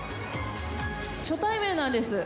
初対面なんです。